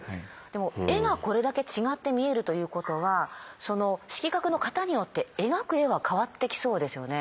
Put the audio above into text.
でも絵がこれだけ違って見えるということはその色覚の型によって描く絵は変わってきそうですよね。